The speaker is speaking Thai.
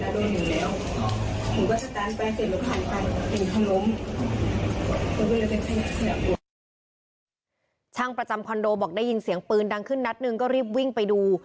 ช่างประจำคอนโดบอกได้ยินเสียงปืนดังขึ้นนัดหนึ่งก็รีบวิ่งไปดู